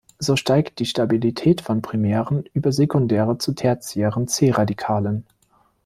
So steigt die Stabilität von primären über sekundäre zu tertiären C-Radikalen.